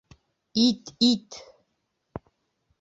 Ит, ит!